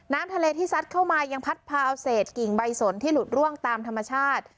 น้ำทะเลที่ซัดเข้ามายังพัดพาเอาเศษกิ่งใบสนที่หลุดร่วงตามธรรมชาติ